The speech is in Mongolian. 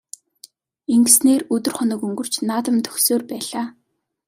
Ингэсээр өдөр хоног өнгөрч наадам дөхсөөр байлаа.